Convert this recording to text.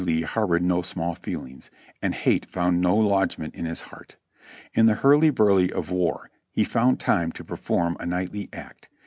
Lee harbored no small feelings, and hate found no lodgment in his heart. In the hurly burly of war he found time to perform a knightly act.